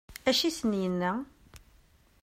Acu i sen-yenna?